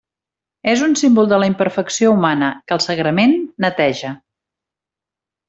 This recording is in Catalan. És un símbol de la imperfecció humana, que el sagrament neteja.